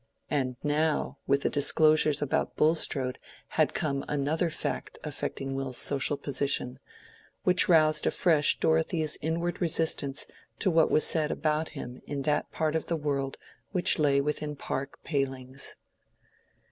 And now with the disclosures about Bulstrode had come another fact affecting Will's social position, which roused afresh Dorothea's inward resistance to what was said about him in that part of her world which lay within park palings.